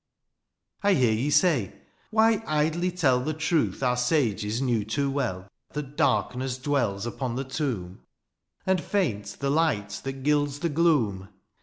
" I hear ye say, ^ Why idly tell " The truth our sages knew too well, " That darkness dwells upon the tomb. THE AREOPAGITE. 23 ^^ And faint the light that gilds the gloom